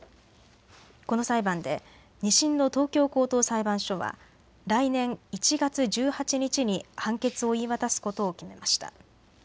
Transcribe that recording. この裁判で２審の東京高等裁判所は来年１月１８日に判決を言い渡すことを決めました。